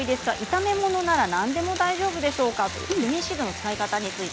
炒め物なら何でも大丈夫でしょうか？